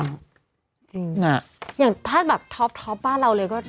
จริงน่ะอย่างถ้าแบบท็อปบ้านเราเลยก็